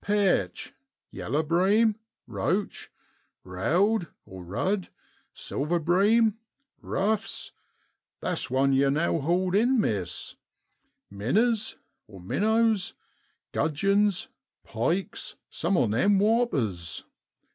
Pearch, yeller bream, roach, roud (rudd), silver bream, ruffes (tha's one yow now hauled in, Miss), minners (minnows), gudgeons, pikes (some on 'em whoppers!)